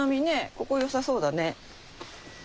ここよさそうだね。